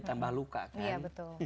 tambah luka kan